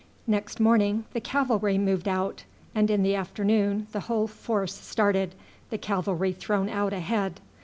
Next morning the cavalry moved out, and in the afternoon the whole force started, the cavalry thrown out ahead.